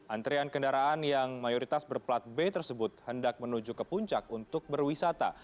antrian kendaraan yang mayoritas berplat b tersebut hendak menuju ke puncak untuk berwisata